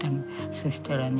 そしたらね